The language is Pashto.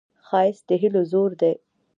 ښایست د هیلو زور دی